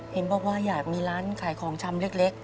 เห็นบอกว่าอยากมีร้านขายของชำเล็ก